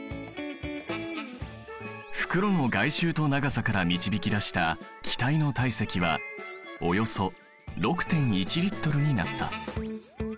袋の外周と長さから導き出した気体の体積はおよそ６．１Ｌになった。